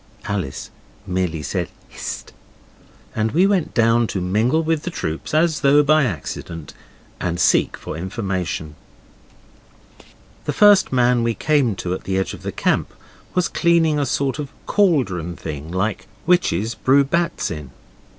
Alice merely said 'Hist', and we went down to mingle with the troops as though by accident, and seek for information. The first man we came to at the edge of the camp was cleaning a sort of cauldron thing like witches brew bats in.